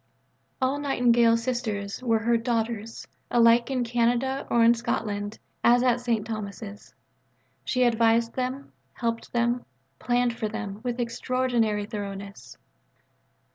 All Nightingale Sisters were her "daughters," alike in Canada or in Scotland, as at St. Thomas's. She advised them, helped them, planned for them, with an extraordinary thoroughness.